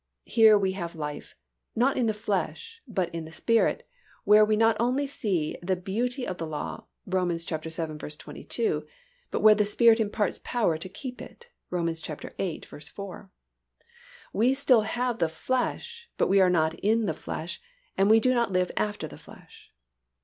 Here we have life, not in the flesh, but in the Spirit, where we not only see the beauty of the law (Rom. vii. 22) but where the Spirit imparts power to keep it (Rom. viii. 4). We still have the flesh but we are not in the flesh and we do not live after the flesh.